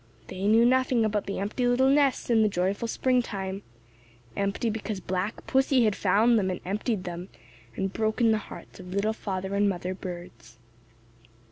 They knew nothing about the empty little nests in the joyful springtime,—empty because Black Pussy had found them and emptied them and broken the hearts of little father and mother birds.